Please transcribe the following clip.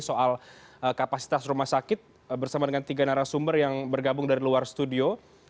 soal kapasitas rumah sakit bersama dengan tiga narasumber yang bergabung dari luar studio